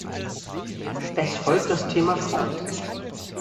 Es folgt das Thema Frauen.